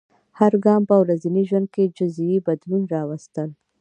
هر ګام په ورځني ژوند کې جزیي بدلونونه راوستل.